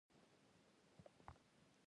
د جرم له زیاتېدو سره وخت ورو کېږي.